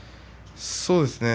そうですね。